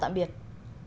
trong xe suốt hai năm